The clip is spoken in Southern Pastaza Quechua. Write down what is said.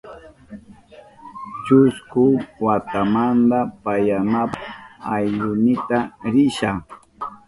Chusku watamanta pasyanapa aylluynita risha.